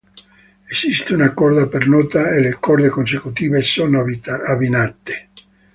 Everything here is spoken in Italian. Esiste una corda per nota e le corde consecutive sono abbinate.